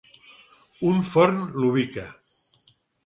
Un forn l'ubica.